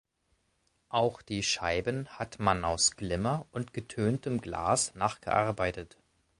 Auch die Scheiben hat man aus Glimmer und getöntem Glas nachgearbeitet.